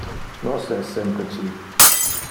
Nos es sempre ci.